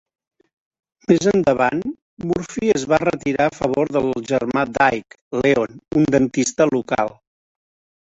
Més endavant Murphy es va retirar a favor del germà d'Ike, Leon, un dentista local.